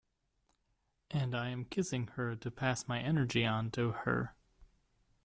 And I am kissing her to pass my energy on to her.